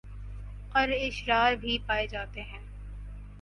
اور اشرار بھی پائے جاتے ہیں